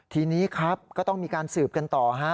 ทีนี้ครับก็ต้องมีการสืบกันต่อฮะ